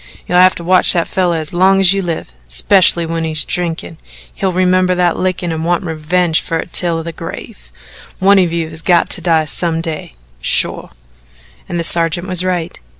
You'll have to watch that feller as long as you live 'specially when he's drinking. He'll remember that lickin' and want revenge fer it till the grave. One of you has got to die some day shore." And the sergeant was right.